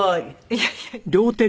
いやいや。